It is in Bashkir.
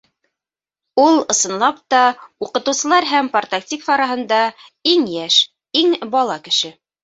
Ул, ысынлап та, уҡытыусылар һәм партактив араһында иң йәш, иң бала кеше.